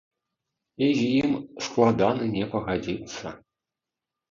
І з ім складана не пагадзіцца.